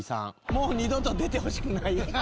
「もう二度と出てほしくない」ハハハ。